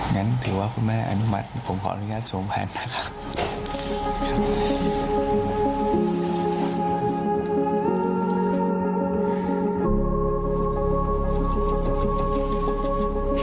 งั้นถือว่าคุณแม่อนุมัติผมขออนุญาตสวมแผนนะครับ